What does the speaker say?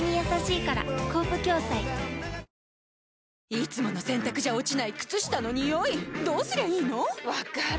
いつもの洗たくじゃ落ちない靴下のニオイどうすりゃいいの⁉分かる。